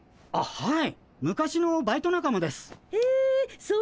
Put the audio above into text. はい。